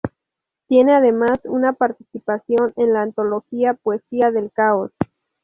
Tiene además, una participación en la "Antología Poesía del Caos.